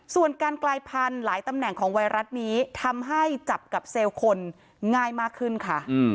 ส่วนการกลายพันธุ์หลายตำแหน่งของไวรัสนี้ทำให้จับกับเซลล์คนง่ายมากขึ้นค่ะ